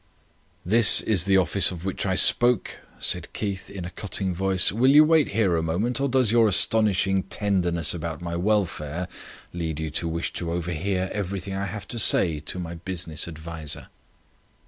"This is the office of which I spoke," said Keith, in a cutting voice. "Will you wait here a moment, or does your astonishing tenderness about my welfare lead you to wish to overhear everything I have to say to my business adviser?"